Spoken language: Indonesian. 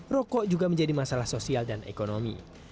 rokok juga menjadi masalah sosial dan ekonomi